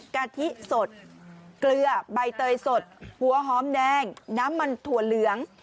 กะทิสดเกลือใบเตยสดหัวหอมแดงน้ำมันถั่วเหลือง